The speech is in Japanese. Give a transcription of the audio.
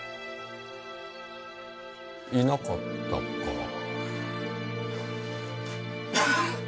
いなかったか。